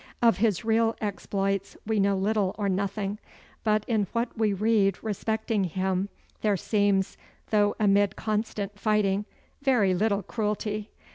Of his real exploits we know little or nothing, but in what we read respecting him there seems, though amid constant fighting, very little cruelty.